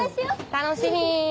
楽しみ！